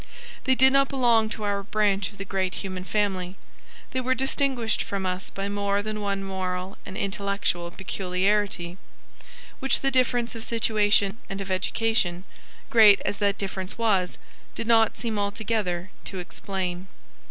They did not belong to our branch of the great human family. They were distinguished from us by more than one moral and intellectual peculiarity, which the difference of situation and of education, great as that difference was, did not seem altogether to explain.